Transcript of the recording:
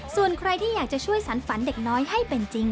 ส่วนใครที่อยากจะช่วยสรรฝันเด็กน้อยให้เป็นจริง